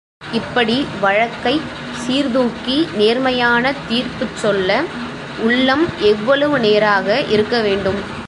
இப்படி வழக்கைச் சீர்தூக்கி நேர்மையான தீர்ப்புச் சொல்ல உள்ளம் எவ்வளவு நேராக இருக்க வேண்டும்.